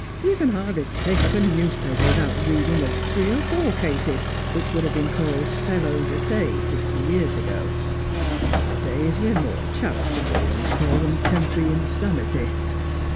You can hardly take up a news paper without reading of three or four cases which would have been called felo de se fifty years ago. Now a days we're more charitable, and call them temporary insanity.